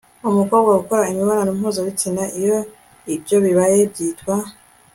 umukobwa gukora imibonano mpuzabitsina. iyo ibyo bibaye, byitwa